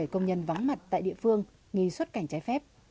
chín trăm hai mươi bảy công nhân vắng mặt tại địa phương nghi xuất cảnh trái phép